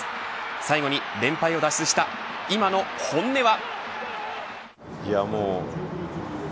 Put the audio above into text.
最後に連敗を脱出した今の本音は。